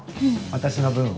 私の分は？